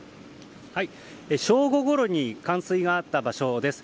正午ごろに冠水があった場所です。